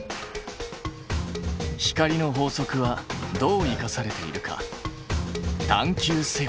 光の法則はどう生かされているか探究せよ！